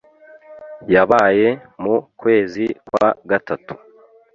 yabaye mu kwezi kwa gatatu.